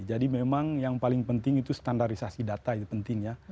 jadi memang yang paling penting itu standarisasi data itu pentingnya